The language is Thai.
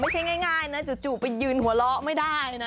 ไม่ใช่ง่ายนะจู่ไปยืนหัวเราะไม่ได้นะ